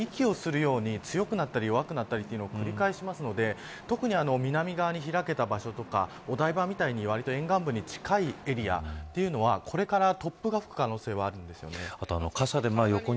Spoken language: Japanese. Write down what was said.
風って、本当に人が息をするように、強くなったり弱くなったりを繰り返すので特に南側に開けた場所とかお台場みたいに、わりと沿岸部に近いエリアというのはこれから突風が吹く可能性があるんです。